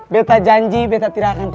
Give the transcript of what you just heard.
betta janji betta tidak akan terburu buru